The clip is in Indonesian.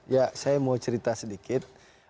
ya saya mau cerita sedikit